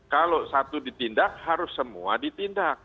kalau satu ditindak harus semua ditindak